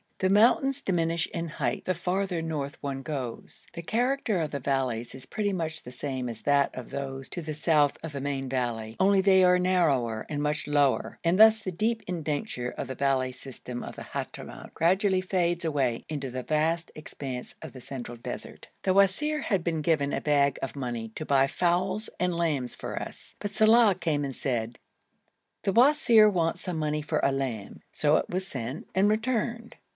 The mountains diminish in height the farther north one goes. The character of the valleys is pretty much the same as that of those to the south of the main valley, only they are narrower and much lower, and thus the deep indenture of the valley system of the Hadhramout gradually fades away into the vast expanse of the central desert. The wazir had been given a bag of money to buy fowls and lambs for us, but Saleh came and said, 'The wazir wants some money for a lamb,' so it was sent and returned.